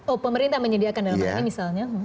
oh pemerintah menyediakan land bank misalnya